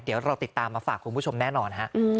เดี๋ยวเราติดตามมาฝากคุณผู้ชมแน่นอนฮะ